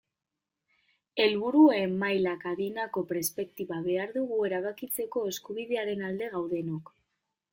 Helburuen mailak adinako perspektiba behar dugu erabakitzeko eskubidearen alde gaudenok.